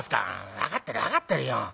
「分かってる分かってるよ」。